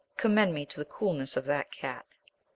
Commend me to the coolness of that cat.